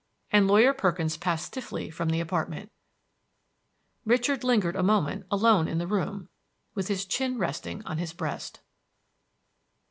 And Lawyer Perkins passed stiffly from the apartment. Richard lingered a moment alone in the room with his chin resting on his breast.